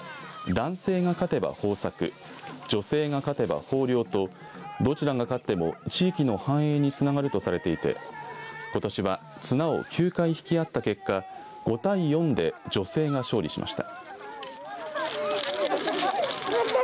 男性が勝てば豊作女性が勝てば豊漁とどちらが勝っても、地域の繁栄につながるとされていてことしは綱を９回引き合った結果５対４で女性が勝利しました。